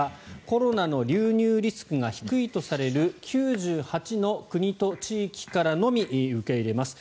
コロナの流入リスクが低いとされる９８の国と地域からのみ受け入れます。